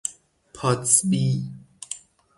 پاتبسی